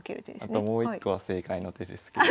あともう一個は正解の手ですけど。